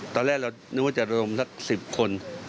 ตอนแรกเรานึกว่าจะระดมสัก๑๐คน